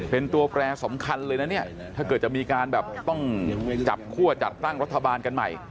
เป็นตัวแปรสำคัญเลยนะเนี่ยถ้าเกิดจะมีการแบบต้องจับคั่วจัดตั้งรัฐบาลกันใหม่